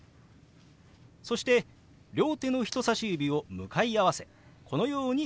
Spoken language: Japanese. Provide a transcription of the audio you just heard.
そして両手の人さし指を向かい合わせこのように動かします。